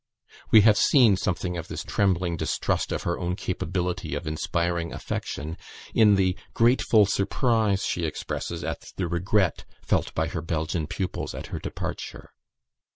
We have seen something of this trembling distrust of her own capability of inspiring affection, in the grateful surprise she expresses at the regret felt by her Belgian pupils at her departure.